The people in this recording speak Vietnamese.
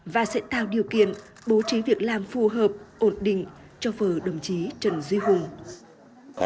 và sẽ tạo điều kiện bố trí việc làm phù hợp ổn định cho phở đồng chí trần duy hùng